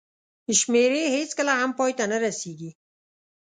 شمېرې هېڅکله هم پای ته نه رسېږي.